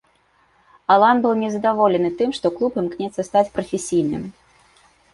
Алан быў не задаволены тым, што клуб імкнецца стаць прафесійным.